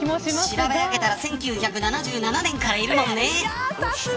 調べたら１９７７年からいるもんね。